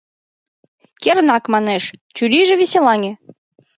Кернак, — манеш, чурийже веселаҥе.